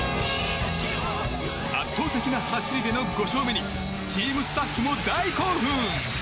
圧倒的な走りでの５勝目にチームスタッフも大興奮！